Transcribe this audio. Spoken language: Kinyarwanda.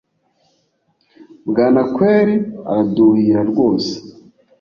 bwanakweli araduhira rwose